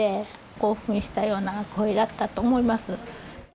興奮したような声だったと思います。